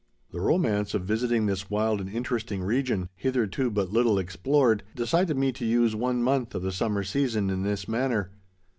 The romance of visiting this wild and interesting region, hitherto but little explored, decided me to use one month of the summer season in this manner.